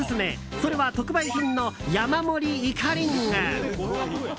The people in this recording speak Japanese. それは特売品の山盛りイカリング。